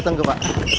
udah bagus coba